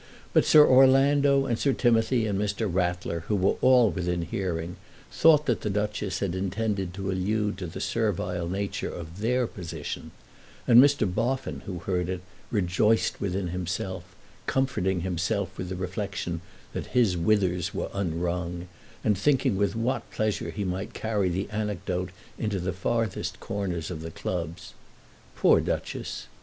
But Sir Orlando and Sir Timothy and Mr. Rattler, who were all within hearing, thought that the Duchess had intended to allude to the servile nature of their position; and Mr. Boffin, who heard it, rejoiced within himself, comforting himself with the reflection that his withers were unwrung, and thinking with what pleasure he might carry the anecdote into the farthest corners of the clubs. Poor Duchess!